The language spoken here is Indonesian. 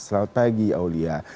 selamat pagi aulia